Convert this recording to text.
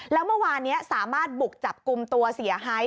แล้วเมื่อวานนี้สามารถบุกจับกลุ่มตัวเสียหาย